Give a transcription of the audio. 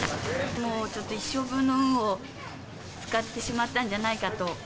もうちょっと一生分の運を使ってしまったんじゃないかと。